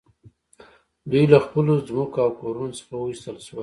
دوی له خپلو ځمکو او کورونو څخه وویستل شول